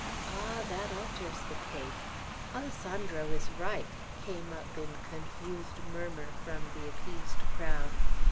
"Ah, that alters the case!" "Alessandro is right!" came up in confused murmur from the appeased crowd.